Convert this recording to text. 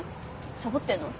サボってんの？